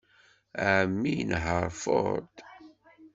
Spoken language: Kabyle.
Ɛemmi inehheṛ Ford.